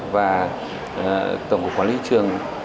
và tổng hợp quản lý trường